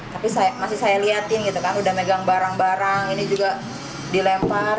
tapi masih saya liatin gitu kan udah megang barang barang ini juga dilempar